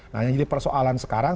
nah jadi persoalan sekarang